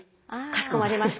かしこまりました！